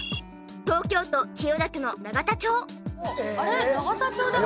東京都千代田区の永田町。